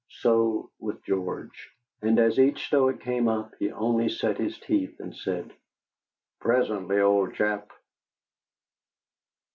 So with George. And as each Stoic came up, he only set his teeth and said: "Presently, old chap."